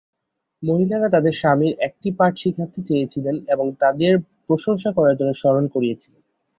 মহিলারা তাদের স্বামীর একটি পাঠ শেখাতে চেয়েছিলেন এবং তাদের প্রশংসা করার জন্য স্মরণ করিয়েছিলেন।